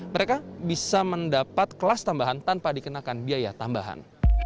mereka bisa mendapat kelas tambahan tanpa dikenakan biaya tambahan